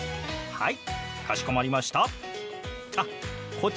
はい。